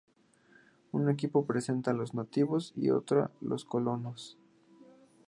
Un equipo representa a los nativos y otro a los colonos.